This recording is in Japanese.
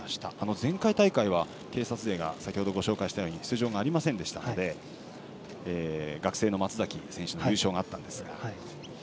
前回大会は警察勢の出場がありませんでしたので学生の松崎選手の優勝があったんですが。